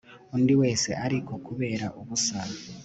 Undi wese ariko kubera ubusa